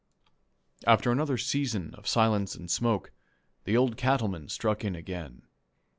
After another season of silence and smoke, the Old Cattleman struck in again.